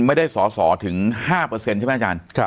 ไม่ได้สอสอถึง๕เปอร์เซ็นต์ใช่มั้ยอาจารย์